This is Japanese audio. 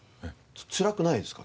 つらくないですか？